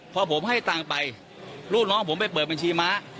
พอผมให้ตังค์ไปลูกน้องผมไปเปิดบัญชีม้า